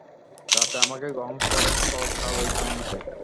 রাতে আমাকে গ্রহণ করেন সহজ স্বাভাবিক ভঙ্গিতে।